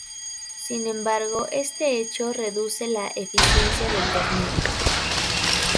Sin embargo, este hecho reduce la eficiencia del tornillo.